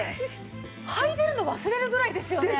履いてるの忘れるぐらいですよね。